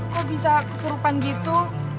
kok bisa kesurupan gitu